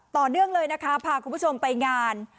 ต่อเนื่องเลยนะคะพาคุณผู้ชมไปงาน